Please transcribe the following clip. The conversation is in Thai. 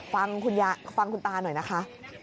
ฟังคุณยาฟังคุณตาหน่อยนะคะ